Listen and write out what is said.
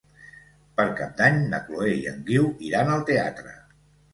Per Cap d'Any na Chloé i en Guiu iran al teatre.